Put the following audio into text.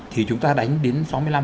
thì chúng ta đánh đến sáu mươi năm